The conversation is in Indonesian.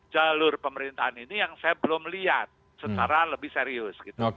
jalur pemerintahan ini yang saya belum lihat secara lebih serius